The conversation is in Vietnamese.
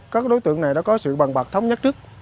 các đối tượng này đã có sự bằng bạc thống nhất trước